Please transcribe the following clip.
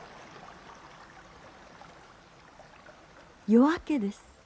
夜明けです。